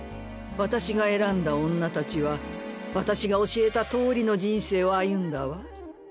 私が選んだ女たちは私が教えた通りの人生を歩んだわ。